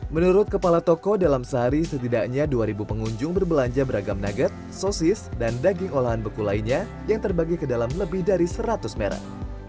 menurut kepala toko dalam sehari setidaknya dua pengunjung berbelanja beragam nugget sosis dan daging olahan beku lainnya yang terbagi ke dalam lebih dari seratus merek